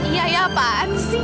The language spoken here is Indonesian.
iya ya apaan sih